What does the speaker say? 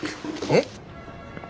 えっ？